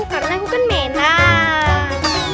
karena aku kan menang